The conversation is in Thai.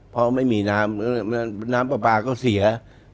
เพราะไม่มีน้ำน้ำปลาปลาก็เสีย